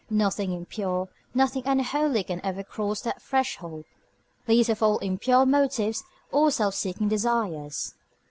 Nothing impure, nothing unholy can ever cross that threshold, least of all impure motives or self seeking desires.